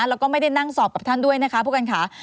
แล้วก็ไม่ได้นั่งสอบกับท่านด้วยนะคะผู้การขา